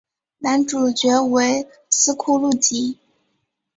男主角为斯库路吉。